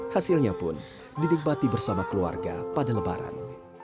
hasilnya pun dinikmati bersama keluarga pada lebaran